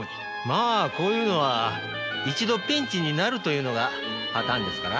まあこういうのは一度ピンチになるというのがパターンですから。